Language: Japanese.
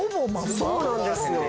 そうなんですよ。